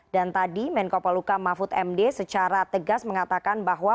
dan tadi menko polhuka mahfud md secara tegas mengatakan bahwa